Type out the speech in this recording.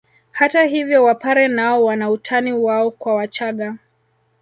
Hata hivyo wapare nao wana utani wao kwa wachaga